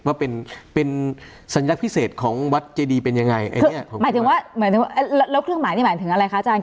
ว่าเป็นเป็นสัญลักษณ์พิเศษของวัดเจดีเป็นยังไงหมายถึงว่าหมายถึงว่าแล้วเครื่องหมายนี่หมายถึงอะไรคะอาจารย